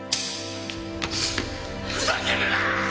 ふざけるなー！